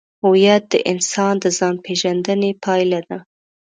هویت د انسان د ځانپېژندنې پایله ده.